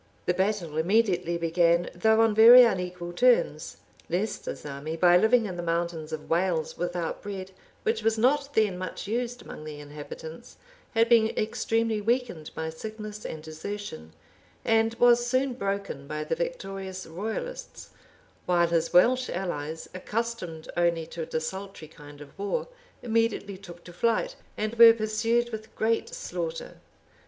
The battle immediately began, though on very unequal terms. Leicester's army, by living in the mountains of Wales without bread, which was not then much used among the inhabitants, had been extremely weakened by sickness and desertion, and was soon broken by the victorious royalists; while his Welsh allies, accustomed only to a desultory kind of war, immediately took to flight, and were pursued with great slaughter.